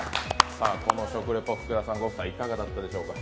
この食レポ、福田さんご夫妻いかがだったでしょうか。